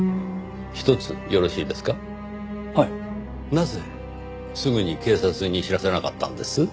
なぜすぐに警察に知らせなかったんです？